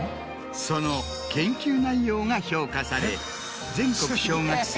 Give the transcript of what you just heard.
その研究内容が評価され。を受賞した。